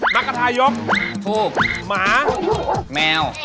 นักกระทายกถูกหมาแมว